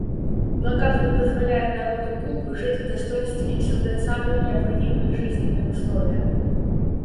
Блокада не позволяет народу Кубы жить в достоинстве и создать самые необходимые жизненные условия.